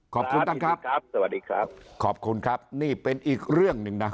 ขอบคุณท่านครับครับสวัสดีครับขอบคุณครับนี่เป็นอีกเรื่องหนึ่งนะ